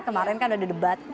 kemarin kan ada debat